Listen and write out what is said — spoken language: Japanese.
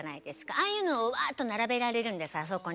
ああいうのをわっと並べられるんですあそこに。